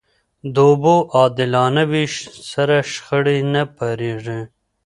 د اوبو عادلانه وېش سره، شخړې نه پارېږي.